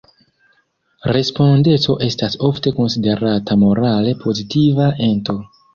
Respondeco estas ofte konsiderata morale pozitiva ento.